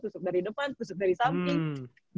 pusuk dari depan pusuk dari samping